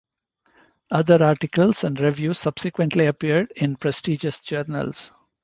Other articles and reviews subsequently appeared in prestigious journals.